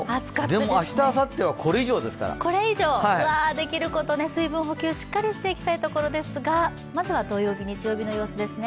でも明日あさってはできること、水分補給しっかりしていきたいことですがまずは土曜日、日曜日の様子ですね。